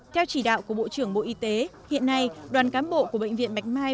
theo chỉ đạo của bộ trưởng bộ y tế hiện nay đoàn cán bộ của bệnh viện bạch mai